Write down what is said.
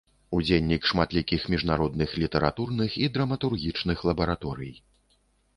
Удзельнік шматлікіх міжнародных літаратурных і драматургічных лабараторый.